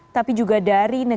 tapi juga dari indonesia